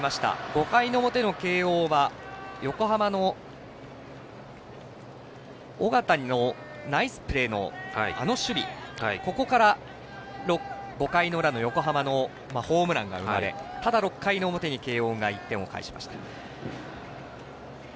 ５回の表の慶応は横浜の緒方のナイスプレーのあの守備、ここから５回の裏の横浜のホームランが生まれただ、６回の表に慶応が１点を返しました。